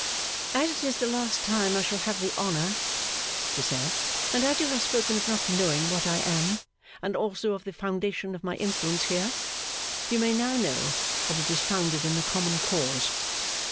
'As it is the last time I shall have the honour,' she said, 'and as you have spoken of not knowing what I am, and also of the foundation of my influence here, you may now know that it is founded in a common cause.